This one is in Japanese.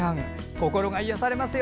心が癒やされますよ。